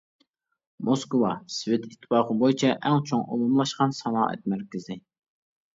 موسكۋا سوۋېت ئىتتىپاقى بويىچە ئەڭ چوڭ ئومۇملاشقان سانائەت مەركىزى.